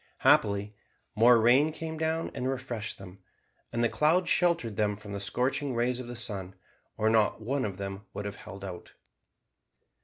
Happily more rain came down and refreshed them, and the clouds sheltered them from the scorching rays of the sun, or not one of them would have held out.